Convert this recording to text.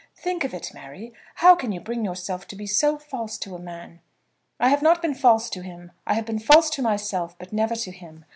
Think of it, Mary. How can you bring yourself to be so false to a man?" "I have not been false to him. I have been false to myself, but never to him.